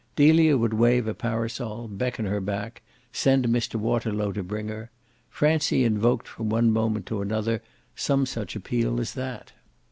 Delia would wave a parasol, beckon her back, send Mr. Waterlow to bring her; Francie invoked from one moment to another some such appeal as that.